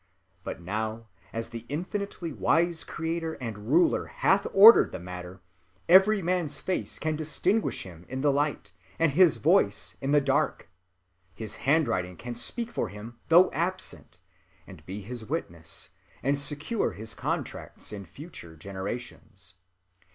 But now as the infinitely wise Creator and Ruler hath ordered the Matter, every man's Face can distinguish him in the Light, and his Voice in the Dark; his Hand‐writing can speak for him though absent, and be his Witness, and secure his Contracts in future Generations.